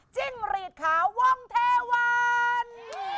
จิ้งหรีดขาว่องเทวัน